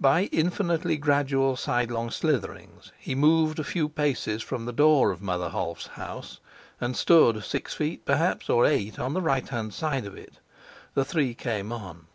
By infinitely gradual sidelong slitherings he moved a few paces from the door of Mother Holf's house, and stood six feet perhaps, or eight, on the right hand side of it. The three came on.